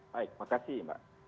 baik makasih mbak